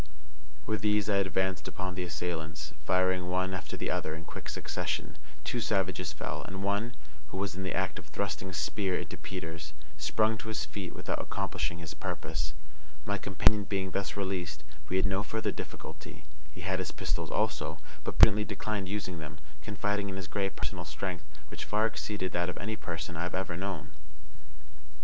With these I advanced upon the assailants, firing one after the other in quick succession. Two savages fell, and one, who was in the act of thrusting a spear into Peters, sprung to his feet without accomplishing his purpose. My companion being thus released, we had no further difficulty. He had his pistols also, but prudently declined using them, confiding in his great personal strength, which far exceeded that of any person I have ever known.